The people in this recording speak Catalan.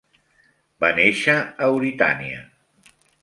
Va néixer a Euritània.